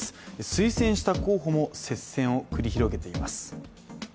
推薦した候補も接戦を繰り広げています。